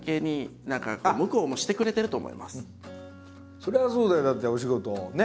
それはそうだよだってお仕事をね。